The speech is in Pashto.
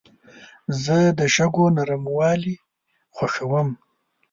زه د شګو نرموالي خوښوم.